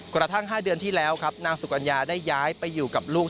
กระทั่ง๕เดือนที่แล้วครับนางสุกัญญาได้ย้ายไปอยู่กับลูก